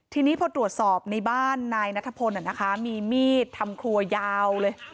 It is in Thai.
ทีนี้พอตรวจสอบในบ้านนายนัทพลมีมีดทำครัวยาวเลย